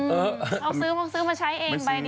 เอาซื้อมาใช้เองใบเดียวไม่เป็นไร